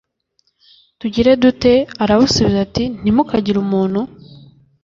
tugire dute arabasubiza ati ntimukagire umuntu